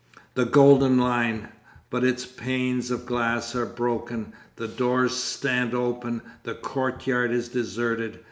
The Golden Lion but its panes of glass are broken, the doors stand open, the courtyard is deserted.